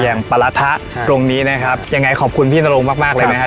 อย่างปรัฐะตรงนี้นะครับยังไงขอบคุณพี่นรงมากมากเลยนะฮะ